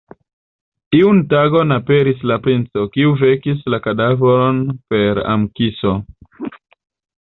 Iun tagon aperis la Princo, kiu vekis la kadavron per am-kiso.